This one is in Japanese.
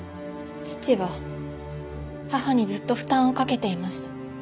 父は母にずっと負担をかけていました。